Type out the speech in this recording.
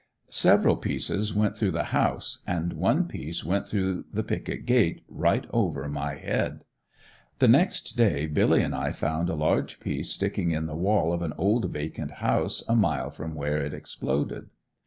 Several pieces went through the house, and one piece went through the picket gate right over my head. The next day Billy and I found a large piece sticking in the wall of an old vacant house a mile from where it exploded.